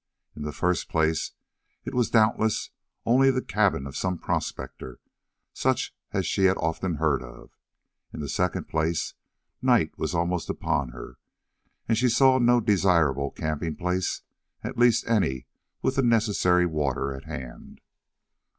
In the first place, it was doubtless only the cabin of some prospector, such as she had often heard of. In the second place, night was almost upon her, and she saw no desirable camping place, or at least any with the necessary water at hand.